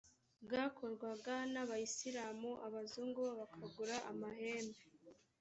bwakorwaga n abayisiramu abazungu bo bakagura amahembe